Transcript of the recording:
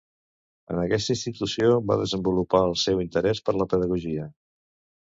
En aquesta institució va desenvolupar el seu interès per la pedagogia.